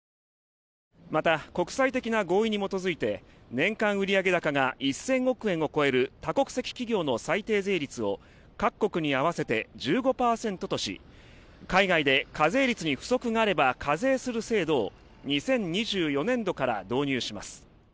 また、国際的な合意に基づいて年間売上高が１０００億円を超える多国籍企業の最低税率を各国に合わせて１５％とし海外で課税率に不足があれば課税する制度を２０２４年度から導入します。